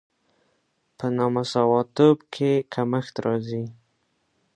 په نامساواتوب کې کمښت راځي.